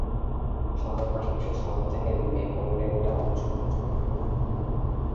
শহরের পাশাপাশি শহর থেকে মেকং ডেল্টা অঞ্চল পর্যন্ত পরিবহন।